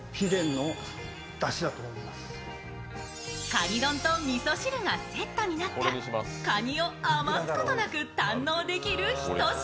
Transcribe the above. かに丼とみそ汁がセットになったかにを余すことなく堪能できる一品。